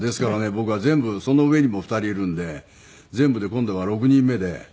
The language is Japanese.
僕は全部その上にも２人いるんで全部で今度が６人目で。